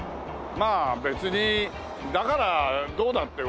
まあ別にだからどうだって。